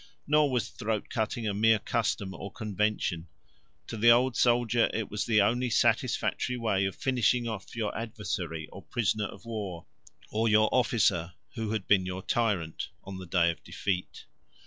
Nor was throat cutting a mere custom or convention: to the old soldier it was the only satisfactory way of finishing off your adversary, or prisoner of war, or your officer who had been your tyrant, on the day of defeat.